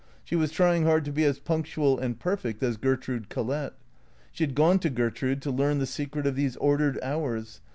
She was trying hard to be as punctual and perfect as Ger trude Collett. She had gone to Gertrude to learn the secret of these ordered hours.